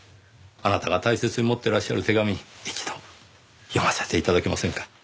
あなたが大切に持ってらっしゃる手紙一度読ませて頂けませんか？